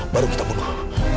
baru kita bunuh